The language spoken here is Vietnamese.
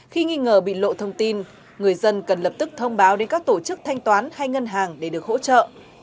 khi nghi ngờ bị lộ thông tin người dân cần lập tức thông báo đến các tổ chức thanh toán hay ngân hàng để được hỗ trợ